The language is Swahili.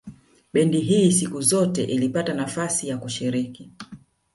Bendi hii siku zote ilipata nafasi ya kushiriki